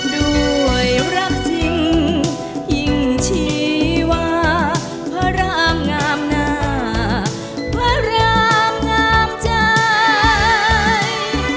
ด้วยรักจริงยิ่งชีวาพระรามงามหน้าพระรามงามใจ